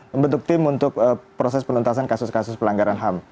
membentuk tim untuk proses penuntasan kasus kasus pelanggaran ham